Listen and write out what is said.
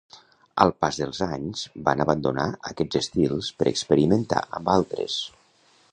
Al pas dels anys van abandonar aquests estils per experimentar amb altres.